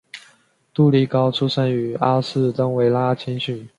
杜利高出身于阿士东维拉青训。